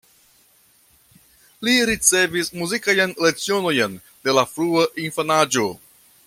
Li ricevis muzikajn lecionojn de la frua infanaĝo.